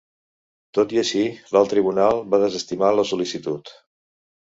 Tot i així, l'Alt Tribunal va desestimar la sol·licitud.